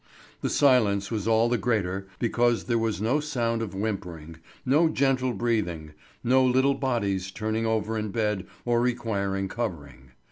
The silence was all the greater because there was no sound of whimpering, no gentle breathing, no little bodies turning over in bed or requiring covering.